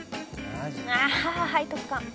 「ああ背徳感」